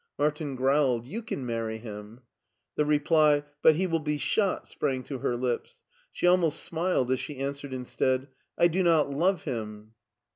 Martin growled, " You can marry him." The reply, " But he will be shot," sprang to her lips. She almost smiled as she answered instead, " I do not love him."